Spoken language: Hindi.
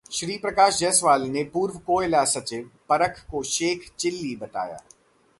श्रीप्रकाश जायसवाल ने पूर्व कोयला सचिव परख को 'शेख चिल्ली' बताया